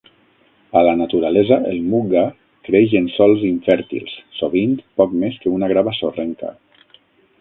A la naturalesa, el mugga creix en sòls infèrtils, sovint poc més que una grava sorrenca.